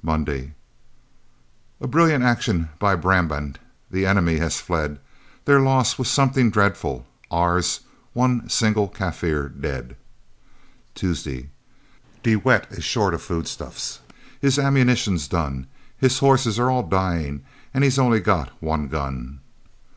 Monday A brilliant action by Brabant, the enemy has fled, Their loss was something dreadful; ours one single Kaffir dead. Tuesday De Wet is short of food stuffs, his ammunition's done, His horses are all dying, and he's only got one gun.